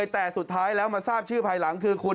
แต่สุดท้ายแล้วมาทราบชื่อภายหลังคือคุณ